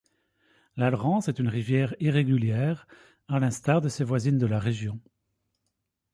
L'Alrance est une rivière irrégulière, à l'instar de ses voisines de la région.